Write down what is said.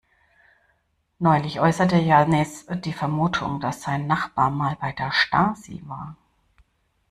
Neulich äußerte Jannis die Vermutung, dass sein Nachbar mal bei der Stasi war.